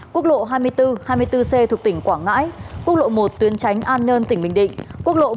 quốc lộ hai mươi bốn hai mươi bốn c thuộc tỉnh quảng ngãi quốc lộ một tuyến tránh an nhơn tỉnh bình định